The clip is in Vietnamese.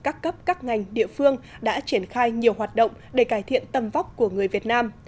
các cấp các ngành địa phương đã triển khai nhiều hoạt động để cải thiện tâm vóc của người việt nam